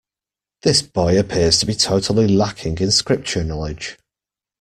This boy appears to be totally lacking in Scripture knowledge.